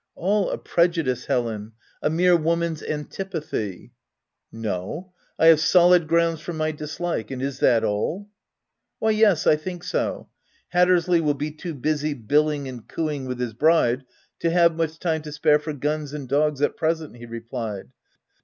"All a prejudice Helen — a mere woman's antipathy." " No ; I have solid grounds for my dislike. And is that all ?" "Why, yes, I think so. Hattersley will be too busy billing and cooing with his bride to have much time to spare for guns and dogs, at pre sent," he replied.